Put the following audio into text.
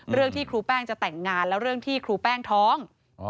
เรื่องที่ครูแป้งจะแต่งงานแล้วเรื่องที่ครูแป้งท้อง